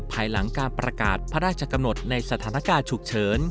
ภายหลังการประกาศพระราชกำหนดในสถานการณ์ฉุกเฉิน